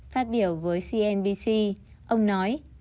phát biểu với cnbc ông nói